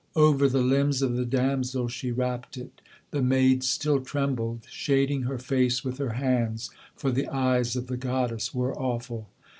Over the limbs of the damsel she wrapt it: the maid still trembled, Shading her face with her hands; for the eyes of the goddess were awful.